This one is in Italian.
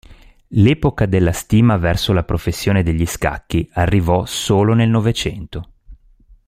L'epoca della stima verso la professione degli scacchi arrivò solo nel Novecento.